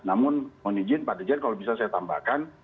namun mau izin pak jijan kalau bisa saya tambahkan